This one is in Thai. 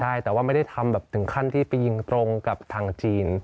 ใช่แต่ว่าไม่ได้ทำแบบถึงขั้นที่ไปยิงตรงกับทางจีน